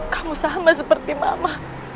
kamu sama seperti mama